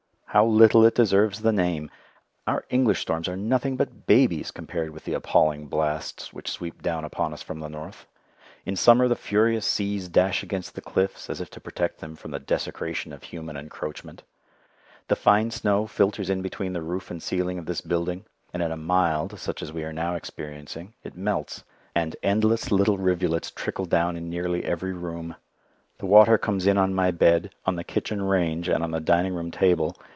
How little it deserves the name! Our English storms are nothing but babies compared with the appalling blasts which sweep down upon us from the north. In summer the furious seas dash against the cliffs as if to protect them from the desecration of human encroachment. The fine snow filters in between the roof and ceiling of this building, and in a "mild," such as we are now experiencing, it melts, and endless little rivulets trickle down in nearly every room. The water comes in on my bed, on the kitchen range, and on the dining room table.